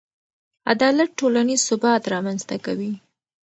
عدالت ټولنیز ثبات رامنځته کوي.